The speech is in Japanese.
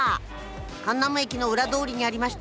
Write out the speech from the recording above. カンナム駅の裏通りにありましたよ。